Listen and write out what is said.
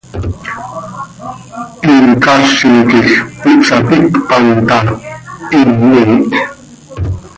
Him caazi quij ihpsaticpan taa, him miih.